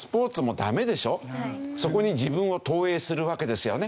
そこに自分を投影するわけですよね。